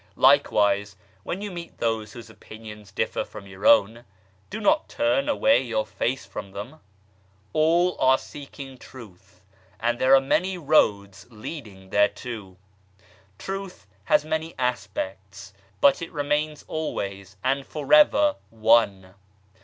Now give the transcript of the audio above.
Likewise, when you meet those whose opinions differ from your own, do not turn away your face from them. All are seeking Truth, and there are many roads leading thereto. Truth has many aspects, but it remains always and for ever one.